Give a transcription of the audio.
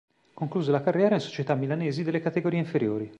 Concluse la carriera in società milanesi delle categorie inferiori.